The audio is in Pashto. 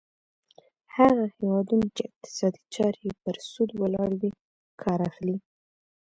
هغه هیوادونه چې اقتصادي چارې یې پر سود ولاړې وي کار اخلي.